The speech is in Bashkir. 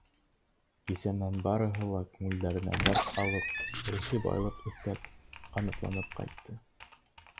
Кисәнән барыһы ла күңелдәренә дәрт алып, рухи байлыҡ өҫтәп, ҡанатланып ҡайтты.